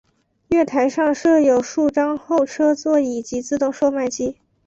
月台上设有数张候车座椅及自动售卖机。